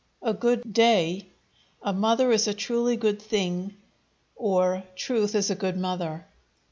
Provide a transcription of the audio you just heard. (Inlaid). "A good day" (a holiday). "A mother is a truly good thing" or "Truth is a good Mother."